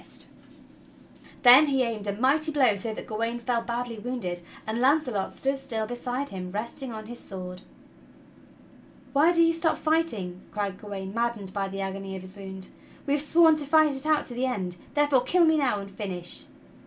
THE PASSING OF ARTHUR 147 Then he aimed a mighty blow so that Gawain fell badly wounded, and Launcelot stood still beside him, resting on his sword. "Why do you stop fighting.?" cried Gawain, maddened by the agony of his wound. "We have sworn to fight it out to the end, therefore kill me now and finish."